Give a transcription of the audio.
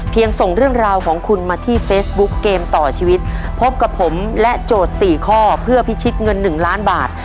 ส่งเรื่องราวของคุณมาที่เฟซบุ๊กเกมต่อชีวิตพบกับผมและโจทย์สี่ข้อเพื่อพิชิตเงินหนึ่งล้านบาท